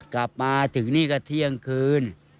กลับมาถึงที่นี่กับเสียงคืน